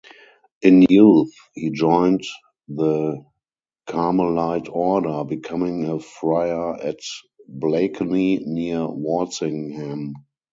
In youth, he joined the Carmelite Order, becoming a friar at Blakeney, near Walsingham.